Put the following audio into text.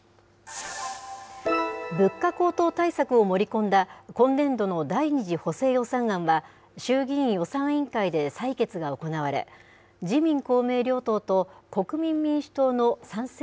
物価高騰対策を盛り込んだ今年度の第２次補正予算案は、衆議院予算委員会で採決が行われ、自民、公明両党と国民民主党の賛成